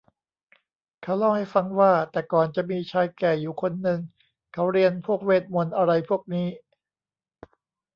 เขาเล่าให้ฟังว่า แต่ก่อนจะมีชายแก่อยู่คนนึงเขาเรียนพวกเวทย์มนต์อะไรพวกนี้